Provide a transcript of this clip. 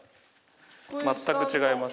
全く違います。